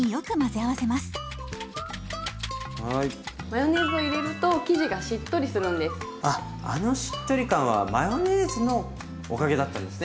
あっあのしっとり感はマヨネーズのおかげだったんですね。